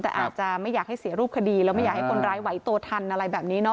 แต่อาจจะไม่อยากให้เสียรูปคดีแล้วไม่อยากให้คนร้ายไหวตัวทันอะไรแบบนี้เนาะ